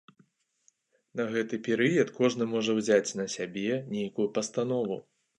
На гэты перыяд кожны можа ўзяць на сябе нейкую пастанову.